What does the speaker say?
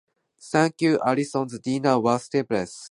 Thank you Alision, the dinner was stupendous.